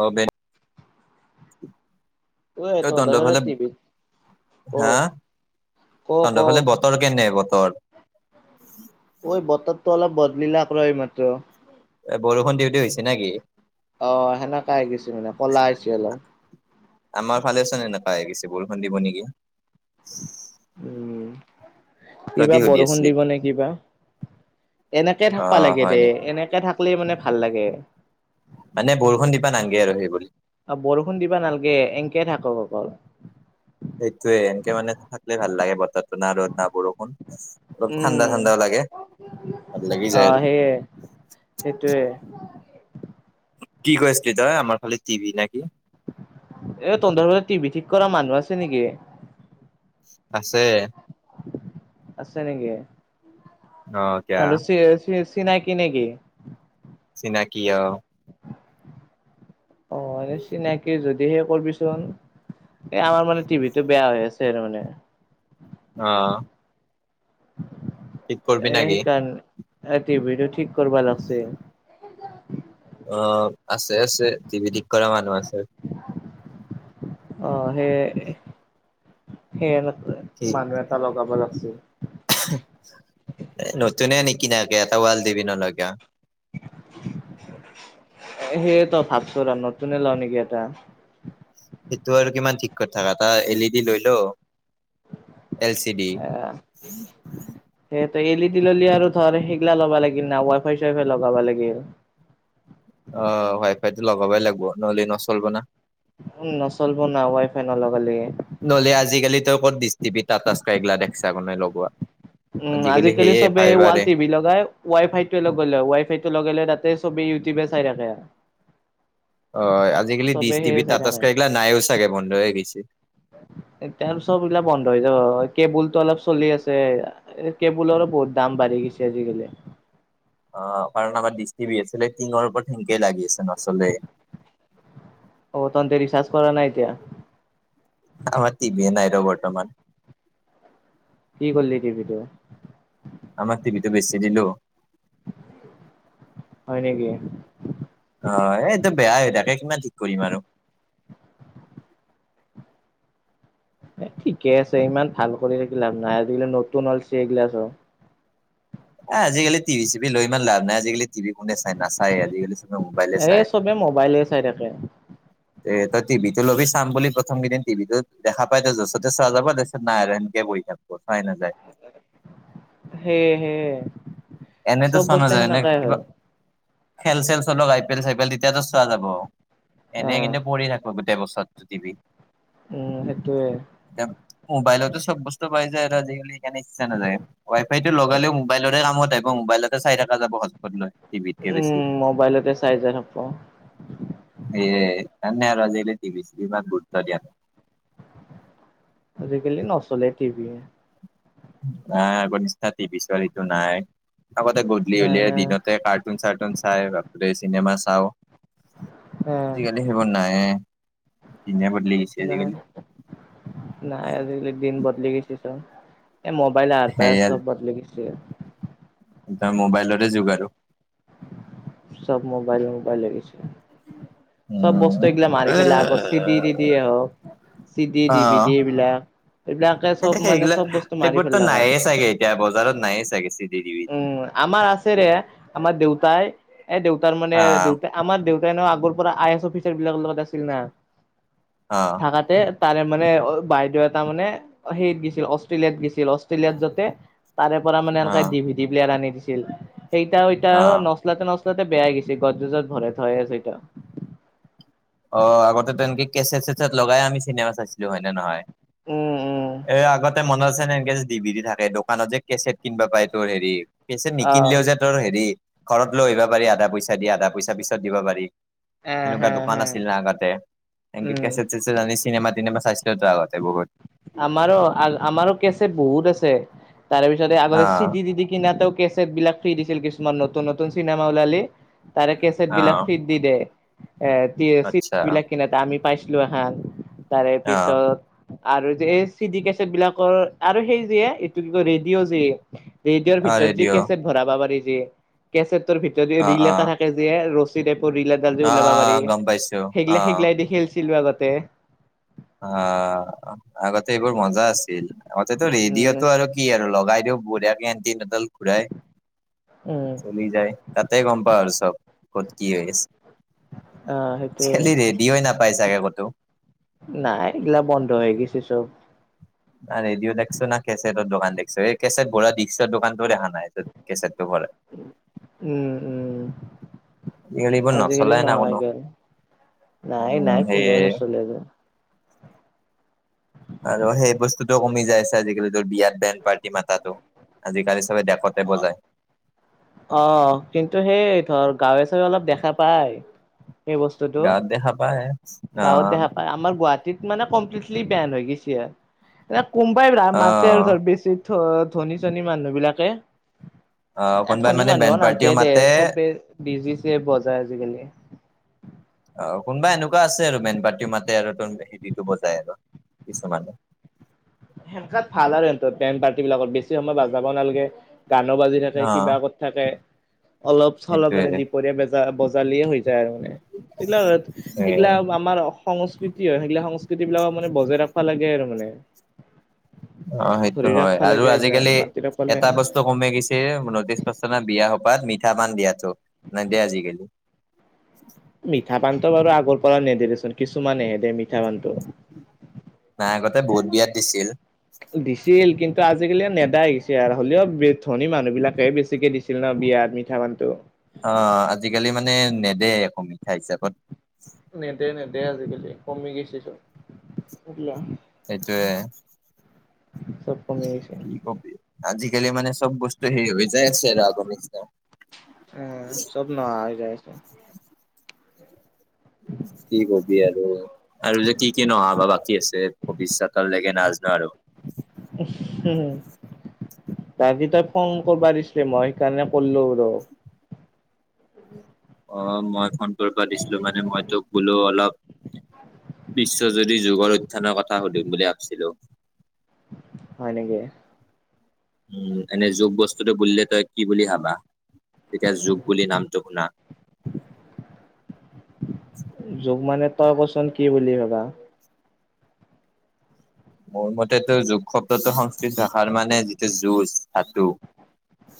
অ বেন- ঐ এই তহঁতৰ তহতৰ ফালে টিভিত ক হা ক ক তহতৰ ফালে বতৰ কেনে বতৰ। ঐ বতৰটো অলপ বদলিলাক ৰ এইমাত্ৰ। এ বৰষুণ দিওঁতে হৈছে নেকি? অ সেনেকা আহিছে মানে ক'লা আহিছে অলপ। আমাৰ ভালে আছে ন এনেকুৱা আহি গৈছে বৰষুণ দিব নেকি? উম তই কি কিবা সুধি বৰষুণ আছিলি দিব নে কিবা? এনেকে অ থাকবা লাগে হয় দে, নেকি এনেকে থাকিলে মানে ভাল লাগে। মানে বৰষূণ দিবা নালগে আৰু সেই বুলি। অ বৰষুণ দিবা নালগে এনকে থাকক অকল। সেইটোৱে এনকে মানে থাকিলে ভাল লাগে বতৰ। ঘটনা ৰদ না বৰষুণ, অলপ উম ঠাণ্ডা ঠাণ্ডাও লাগে, ভাল লাগি যায় এইটো। এ সেইটোৱে। কি কৈ আছিলি তই আমাৰ খালি টিভি নাকি? এ তহঁতৰ ফালে টিভি ঠিক কৰা মানুহ আছে নেকি? আছে আছে নেকি? অ কিয়া আৰু চি চি চিনাকি নেকি? চিনাকি অহ। অ চিনাকি যদিহে কৰিবিচোন। এ আমাৰ মানে টিভিটো বেয়া হৈ আছে আৰু মানে। অ। ঠিক কৰবি এ নেকি সেইকাৰণ টিভিটো ঠিক কৰিবা লাগছে। অ আছে আছে, টিভি ঠিক কৰা মানুহ আছে। অ সেই সেই মানুহ এটা লগাব লাগছিল। আহো, এ নতুনে নেকি নাকে এটা ৱাল টিবি নল কিয়? সেই সি ত ভাবছো আৰু নতুনে লও নেকি এটা? সেইটো আৰু কিমান ঠিক কথা এটা এল ই ডি লৈ লও। L C D. সেই এল ই ডি ললি আৰু ধৰ সেইগিলা লা লাগিল না ৱাই ফাই চাইফাই লগাবা লাগি। অ ওৱাই ফাইটো লগাবই লাগিব নহলে নচলিব না। উম নচলব না ৱাই ফাই নলগালে। নহলে আজিকালিতো ক'ত দৃষ্টিপি, টাটা স্কাই এইগিলা দেখচা মানে লগোৱা। উম আজিকালি সেয়ে চবে ৱাল ফাইবাৰে টি ভি লগাই। ৱাই ফাইটো লগ'লে হয়, ৱাই ফাইটো লগাই তাতে চবেই ইউটিউবে চাই থাকে আৰু। অ আজিকালি চবে ডিচ সেয়ে টিভিত, চাই টাটা থাকে স্কাই এইগিলা নাইয়ো চাগে বন্ধ হৈ গৈছে। এ তাৰ চব এইবিলাক বন্ধ হৈ যাব, কেবুলটো অলপ চলি আছে এয়া। এ কেবুলৰো বহুত দাম বাঢ়ি গৈছে আজিকালি। অ কাৰণ আমাৰ দৃষ্টি বি আছিলে টিঙৰ ওপৰত সেনকেই লাগি আছে নচলে। অ তনতে ৰিচাৰ্জ কৰা নাই এতিয়া? আমাৰ টিভিয়ে নাই ৰ বৰ্তমান। কি কৰলি টিভিটো? আমাৰ টিভিতো বেছি দিলো। হয় নেকি? অ এইটো বেয়াই হৈ তাকে কিমান ঠিক কৰিম আৰু। এ ঠিকে আছে ইমান ভাল কৰি থাকি লাভ নাই, আজিকালি নতুন ওলচে এইগিলাছৰ। এ আজিকালি টিভি - চিভী লৈ ইমান লাভ নাই, আজিকালি টিভি কোনে চাই নাচাই আজিকালি চবে মোবাইলে চাই এই চবে মোবাইলে চাই থাকে। এ তই টিভিটো ল'বি চাম বুলি প্ৰথম কেইদিন টিভিটো দেখা পাই তই য'চতে চোৱা যাব তাৰিছত নাই আৰু এনকে বহি থাক। পতাই নাযায়। হে হে। এনেইতো চোৱা নাযায় এনে কিবা খেল - চেল চলক I P L - C P L তেতিয়াতো চোৱা যাব। অ এনেই কিন্তু পঢ়ি থাকো গোটেই বছৰতো টিভিত। উম সেইটোয়ে এ মোবাইলৰতো চব বস্তু পাই জাই আৰু আজিকালি। ইচ্ছা নাযায় মোৱাইলটো লগালে মোবাইলৰে কামত আহিব মোবাইলত চাই থকা যাব হচ পত লৈ টিভিতকে বেছি। উম মোবাইলতে চাই যাই থাকব এয় কাৰনে আজি কালি টিভি চিডি ইমান গুৰুত্ব দিয়া নাই। আজিকালি নচলে টিভি। ন আগৰ নিষ্ঠা টিভি ছোৱাৰ এইটো নাই আগতে গধূলি নাই হ'লে নাই দিনতে কা কাৰটোন চাৰটোন চাই বাপৰে চিনেমা চাও। অ আজিকালি সেইবোৰ নাই দিনেই বদলি হৈছে নাই আজিকালি। নাই আজিকালি দিন বদলি গৈছে চোন এ মোবাইল আহাৰ পায় সেয়া চব বদলি গেচি। যিয়ে। তা মোবাইলৰে যুগ আৰু। চব মোবাইল - মোবাইল হৈ গৈছে। চব বস্তু উম এইগিলা মাৰি এ ফেলে আকৌ চি দি - দি দিয়ে হক। চি দি অ দিভ দি এইবিলাক - এইবিলাক চব মানে সেইগিলাক চব বস্তু মাৰি সেইবোৰতো ফেলাক আৰু নায়ে চাগে এতিয়া বজাৰত নায়ে চাগে চিডি ডিভিডি উম, আমাৰ আ আমাৰ দেউতাই এ দেউতাৰ মানে অ দেউতাই আমাৰ দেউতাই এ নও আগৰ পৰা আই এছ অফিচাৰ বিলাক লগত আছিল না। অ', থাকাতে তাৰে মানে বাইদেউ এটা মানে সেইত গৈছিল অষ্ট্ৰেলিয়াত গৈছিল অষ্ট্ৰেলিয়াত যাওতে তাৰে পৰা মানে অ এনেকে ডি ভি ডি প্লেয়াৰ আনি দিছিল সেইতা এটা অ ন নচলাতে - নচলাতে বেয়াাই গৈছে গছ যুজত ভই থয় আছে এতিয়াও। অ, আগতে তেনেকে কেচ চেছেট লগাই আমি চিনেমা চাইছিলো হয় নে নহয়। উম উম এ আগতে মনত আছে এনেকে যে ডিভিডি থাকে দোকানত যে কেচেট কিনবা পাই তোৰ হেৰি কেচেট অ নিকিনলেও যে তোৰ হেৰি ঘৰত লৈ আহিব পাৰি আধা পইচা দি আধা পইচা পিছত দিবা পাৰি। এ সেনেকুৱা হে। না আগতে এনকে কেছেট- চেছেট আনি চিনেমা -তিনেমা চাইছিলোতো আগতে বহুত। আমাৰো - আমাৰো কেছেত বহুত আছে। তাৰ পিছতে আগতে চি অ', দি কিনাতো কেচট বিলাক ফ্ৰী দিছিল কিছুমান নতুন - নতুন চিনেমা ওলালি। তাৰে কেচট বিলাক অ', ফ্ৰী দি দে এ চি আচ্ছা বিলাক কিনা আমি পাইছিলো এখন তাৰে অ', পিছত আৰু যে চি ডি কেচট বিলাকৰ আৰু সেই যে এইটো কি কয় ৰেডিঅ' যে ৰেডিঅ'ৰ অ', ভিতৰত যি ৰেডিঅ' কেচট ভৰাব পাৰি যে কেচটৰ ভিতৰত অ', ৰিল এটা অ', থাকে যে ৰছিতাপৰ ৰিএডাল যে ওলাবা পাৰি অ', গম পাইছো সেইগিলা অ', সেইগিলাই দিখেলছিলো আগতে। অ, আগতে এইবোৰ মজা আছিল আগতেতো উম ৰেডিঅ'তটো আৰু কি আৰু লগাই দিও বঢ়িয়াকে এণ্টডাল ঘুৰাই উম চলি যায়। তাতে গম পাও আৰু চব ক'ত কি হৈ আছে। অ সেইটোৱে আজিকালি ৰেডিঅই নাপাই চাগে ক'তো। নাই এইগলা বন্ধ হৈ গেছে চব। না ৰেডিঅ দেখছো না কেছেটৰ দোকান দেখছো এই কেছেট বনোৱা বিক্সৰ দোকানটো দেখা নাই। কেছেট তো উম - উম। আজিকালি এইবোৰ আজিকালি নচলাই নহ না হৈ কোনো গেল উম, নাই-নাই কোনোৱে সেয়ে নচলে যে। আৰু সেই বস্তুটো কমি যাই আছে আজিকালি বিয়াত বেনড পাৰ্টি মাতাতো। আজিকালি চবে ডেকতে বজায়। অ, কিন্তু সেই ধৰ গাঁৱে চাৱে অলপ দেখা পায়। সেই বস্তুটো গাঁৱত দেখা পাই। গাঁৱত দেখা পায় আমাৰ গুৱাহাটীত মানে কমপ্লিটলি বেন হৈ গেছি আৰ। এ কোমবাই মাতে আৰু আহ ধৰ বেছি ধ-ধনী চনী মানুহ বিলাকে। আহ এ কোনোবাই ধনী মানে মানুহো বেণ্ড পাৰ্টিও নামতে দে, মাতে চবে বিজিছে বজাই আজিকালি। অ', কোনবা এনেকুৱা আছে আৰু বেনপাৰ্টি মাতে আৰু ত হেৰিটো বজাই আৰু কিছুমানে। সেনকাত ভাল আৰু সিহঁতৰ বেন পাৰ্টি বিলাকৰ। বেছি সময় বাজাব নালাগে, গানো বাজি থাকে অ কিবা কত থাকে, অলপ চলপ সেইটোয়ে মানে অ দিপৰীয়া বজা বজালিয়ে হৈ যায় আৰু মানে। [unintelligible] এইগলা আমাৰ অস সংস্কৃতি হয়, সেইগলা সংস্কৃতি বিলাকক মানে বজাই ৰাখবা লাগে আৰু মানে। অ', সেইটো ধৰি হয় ৰাখবা আৰু লাগে এইগিলা আজিকালি মাতি ৰাখবা লাগে এটা বস্তু কমে গছে নটিছ কৰছাঁ না বিয়া সোপাত মিঠা পান দিয়াটো, নেদে আজিকালি। মিঠা পানটো বাৰু আগৰ পৰা নেদে দেচোন কিছুমানেহে দে মিঠা পানটো। নাই আগতে বহুত বিয়াত দিছিল। দিছিল, কিন্তু আজিকালি নেদা হৈ গেচি আৰ, হলেওঁ ব্ৰে ধনী মানুহ বিলাকে বেছিকে দিছি ছিল না বিয়াত মিঠা পানটো। অ', আজিকালি মানে নেদে আকৌ মিঠাই হিচাপত। নেদে -নেদে আজিকালি কমি গেছি চব। [unintelligible] এইটোৱে। চব কমি গৈছে। কি কবি, আজিকালি মানে চব বস্তু হেই হৈ যাই আছে আৰু আগৰ নিচনা। উম, চব নহা হৈ যাই আছে। কি কবি আৰু। আৰু যে কি -কি নহা বা বাকী আছে, ভৱিষ্যতৰ লেকে নাজনো আৰু। [unintelligible] বাকি তই ফোন কৰবা দিছলি, মই সেইকাৰণে কৰলো ৰ। অ', মই ফোন কৰবা দিছিলো মানে মই তোক বোলো অলপ বিশ্বজুৰি যুগৰ উথ্যান্যৰ কথা সুধিম বুলি ভাবছিলোঁ। হয় নেকি? উম এনে যোগ বস্তুতটো বুলিলে তই কি বুলি ভাবা? যেতিয়া যোগ বুলি নামটো শুনা? যুগ মানে তই কচোন কি বুলি ভাবা? মোৰ মতেতো যোগ শব্দটো সংস্কৃত ভাষাৰ মানে যিটো যুঁজ, ধাতু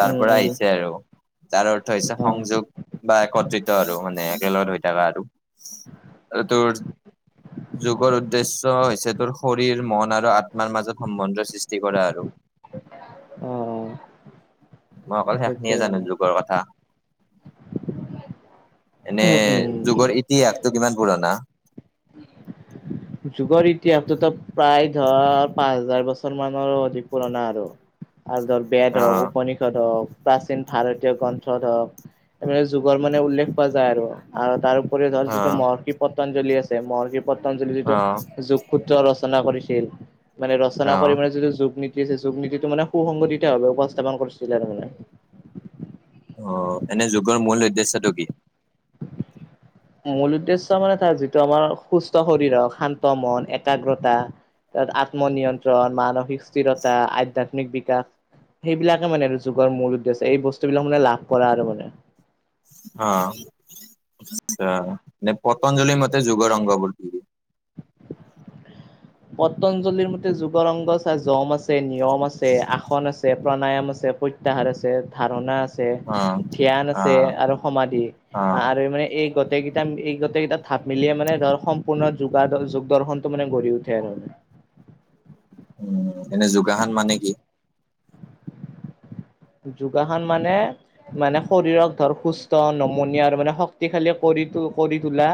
তাৰ উম পৰা উম আহিছে আৰু। যাৰ অৰ্থ হৈছে অ সংযোগ বা একত্ৰিত আৰু মানে, একেলগত হৈ থকা আৰু। আৰু তোৰ যুগৰ উদ্দেশ্য হৈছে তোৰ শৰ শৰীৰ মন আৰু আত্মাৰ মাজত সম্বন্ধ সৃষ্টি কৰা আৰু। অ, অ। মই অকল সেইটো সেখনিয়ে জানো যুগৰ কথা। [inaudible] এনে উম উম যুগৰ ইতিহাসটো কিমান পুৰণা? যুগৰ ইতিহাসটোতো প্ৰায় ধৰ' পাঁচ হাজাৰ বছৰ মানৰো অধিক পুৰণা আৰু। আৰু ধৰ বেড, হওক অ', উপনিষদ হওক প্ৰাচীন ভাৰতীয় গ্ৰন্থ ধৰক, এইবিলাক যুগৰ মানে উল্লেখ পোৱা যায় আৰু। আৰু তাৰ'ওপৰিও ধৰ যিটো অ', মহৰ্ষি পট্ঞ্জলি আছে, মহৰ্ষি পট্ঞ্জলিটো। অ', যোগসূত্ৰ ৰচনা কৰিছিল। মানে ৰচনা কৰি অ', মানে যদি যোগ নি যে যুগ নীতিটো মানে সু সংগতিত ভাবে উপস্থাপন কৰিছিলে আৰু মানে। অ এনে যুগৰ মূল উদ্দেশ্যটো কি? মূল উদ্দেশ্য মানে তাৰ যিটো আমাৰ সুস্থ শৰীৰক, শান্ত মন, একাগ্ৰতা তাত আত্মনিয়ন্ত্ৰণ, মানসিক স্থিৰতা, আধ্যাত্মিক বিকাশ সেইবিলাকে মানে আৰু যুগৰ মূল উদ্দেশ্য। এই বস্তু বিলাক মানে লাভ কৰা আৰু মানে। অ, [unintelligible] নে পতঞ্জলি মতে যুগৰ অংগ বোৰ কি? পতঞ্জলিৰ মতে যুগৰংগ চাই যম আছে, নিয়ম আছে, আসন আছ ছে, প্ৰাণায়াম আছে, প্ৰত্যাহাৰ আছে, ধাৰণা আছ ছে, অ', ধ্যান আছে অ', আৰু সমাধি অ', আৰু মানে এই গ গোটেইকেইটা এই গোটেইকেইটা থাপ মিলিয়ে মানে ধৰ' সম্পূৰ্ণ যোগা ৰ যোগদৰ্শনটো মানে গঢ়ি উঠে আৰু। উম, এনে যোগাহান মানে কি? যোগাহান মানে মানে শৰীৰক ধৰ সুস্থ নমনীয়া আৰু মানে শক্তিশালী কৰি তো কৰি তোলা।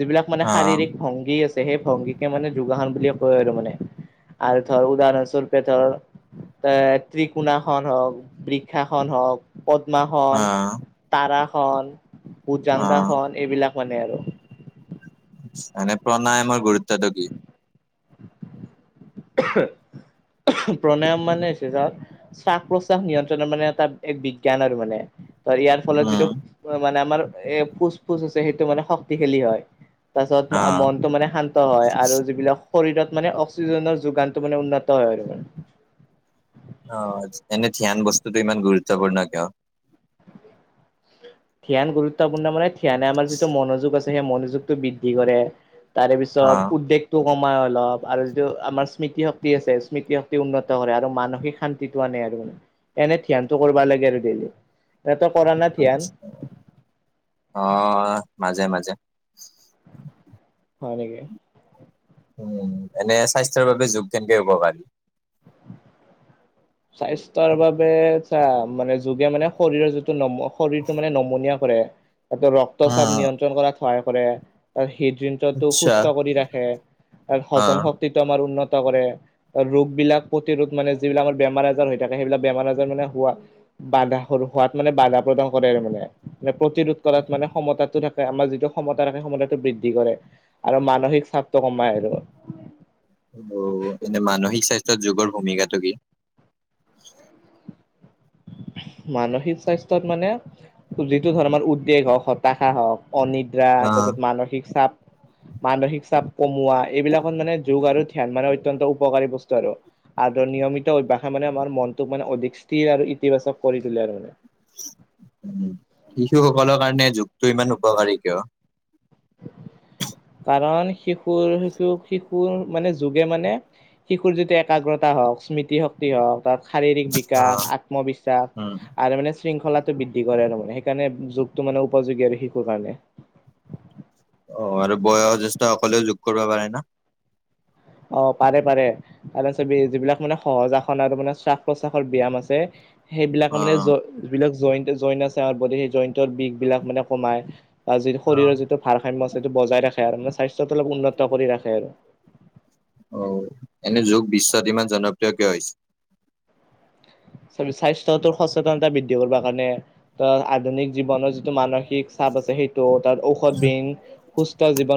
যিবিলাক মানে অ', শাৰীৰিক ভংগী আছ সেই ভংগীকে মানে যোগাসন বুলি কয় আৰু মানে আৰু ধৰ উদাহৰণস্বৰূপে ধৰ এ ত্ৰিকোণাসন হওক বৃক্ষাসন হওক, পদ্মাাসন, অ', তাৰাসন অ', উজাংগাসন এইবিলাক মানে আৰু। মানে প্ৰণায়ামৰ গুৰুত্বটো কি? প্ৰণায়াম মানে হৈছে যাৰ শ্বাস- প্ৰশ্বাস নিয়ন্ত্ৰণৰ মানে এটা এক বিজ্ঞান আৰু মানে। ধৰ ইয়াৰ ফলত যিটো উম, মানে আমাৰ এ ফুচ- ফুচ আছে সেইটো মানে শক্তিশালী হয়। তাৰছত অ', মনটো মানে শান্ত হয় আৰু যিবিলাক শৰীৰত মানে অক্সিজেনৰ যি যোগাসনটো মান উন্নত হয় আৰু মানে। অ, এনে ধ্যান বস্তুতো ইমান গুৰুত্বপূৰ্ণ কিয়? ধ্যান গুৰুত্বপূৰ্ণ মানে ধ্যানে আমাৰ যিটো মনোযোগ আছে সেই মনোযোগটো বৃদ্ধি কৰে। তাৰে পিছত অ', উদ্বেগ টো কমাই অলপ আৰু যিটো আমাৰ স্মৃতি শক্তি আছে স্মৃতি শক্তি উন্নত কৰে আৰু মানসিক শান ন্তিটো আনে আৰু মানে এনে ধ্যানটো কৰবা লাগে আৰু ডেইলি তে তই কৰা না ধ্যান? অ, মাজে- মাজে। হয় নেকি? উম, এনে স্বাস্থ্যৰ বাবে যুগ কেনেকে উপকাৰী? স্বাস্থ্যৰ বাবে চা মানে যোগে মানে শৰীৰৰ যি টো নম শৰীৰ টো মানে নমনীয়া কৰে ৰক্ত অ চাপ নিয়ন্ত্ৰণ কৰাত সহায় কৰে তাৰ হৃদদৃন্তটো আচ্ছা সুস্থ কৰি ৰাখে তাৰ অ হজম শক্ত ক্তিটো আমাৰ উন্নত কৰে ৰোগ বিলাক প্ৰতিৰোধ মানে যিবিলাকৰ বেমাৰ আজাৰ হৈ থাকে সেইবিলাক বেমাৰ আজাৰ মানে হোৱা বাধা হোৱাত মানে বাধা প্ৰদান কৰে আৰু মানে। মানে প্ৰতিৰোধ কৰাত মানে সমতাটো থাকে আমাৰ যিটো সমতা থাকে সমতাটো বৃদ্ধি কৰে। আৰু মানসিক চাপটো কমাই আৰু। অ, এনে মানসিক স্বাস্থ্যৰ যুগৰ ভূমিকাটো কি? মানসিক স্বাস্থ্যত মানে যিটো ধৰ আমাৰ উদ্বেগ হওক হতাশা হওক অনিদ দ্ৰা অ', তাৰপিছত মানসিক চাপ মানসিক চাপ কমোৱা এইবিলাকত মানে যোগ আৰু ধ্যান মানে অত্যন্ত উপকাৰী বস্তু আৰু। আৰু ধৰ নিয়মিত অভ্যাসে মানে আমাৰ মনটোক মানে অধিক স্থিৰ আৰু ইতিবাচক কৰি তোলে আৰু মানে। উম, শিশু সকলৰ কাৰণে যুগটো ইমান উপকাৰী কিয়? কাৰণ শিশুৰ-শিশুক -শিশুৰ মানে যুগে মানে শিশুৰ যেতিয়া একাগ্ৰতা হওক, স্মৃতিশক্তি হওক বা শাৰীৰিক অ', বিকাশ, উম আত্মবিশ্বাস আৰু মানে শৃংখলা তো বৃদ্ধি কৰে আৰু মানে সেইকাৰণে যুনটো মানে উপযোগী আৰু শিশুৰ কাৰণে। অ, আৰু বয়জ্যেষ্ঠ সকলেও যোগ কৰিব পাৰে ন? অ, পাৰে- পাৰে। আৰ চাবি যিবিলাক মানে সহজ আসন আৰু মানে শ্বাস -প্ৰশ্বাসৰ ব্যায়াম আছে অ সেইবিলাকে মানে জ - যিবিলাক জইনট- জইন আছে আমাৰ বডিত সেই জইনটৰ বিষ বিলাক মানে কমাই। বা যি অ শৰীৰৰ যিটো ভাৰসাম্য সেইটো বজাই ৰাখে আৰু মানে স্বাস্থ্যটো অলপ উন্নত কৰি ৰাখে আৰু। অ, এনে যুগ বিশ্বত ইমান জনপ্ৰিয় কিয় হৈছে? চাবি স্বাস্থ্যটোৰ সচেতনতা বৃদ্ধি কৰবা কাৰণে ত'আধুনিক জীৱনৰ যিটো মানসিক ইক চাপ আছে সেইটো তাত ঔষধ বিহীন সুস্থ জীৱন